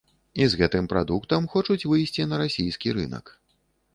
І з гэтым прадуктам хочуць выйсці на расійскі рынак.